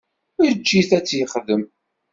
Eǧǧ-it ad t-yexdem.